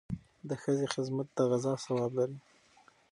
د ښځې خدمت د غزا ثواب لري.